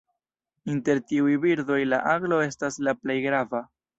Inter tiuj birdoj la aglo estas la plej grava.